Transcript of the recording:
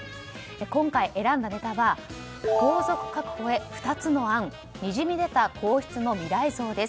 今回、選んだネタは皇族確保へ２つの案にじみ出た皇室の未来像です。